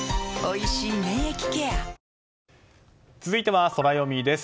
続いてはソラよみです。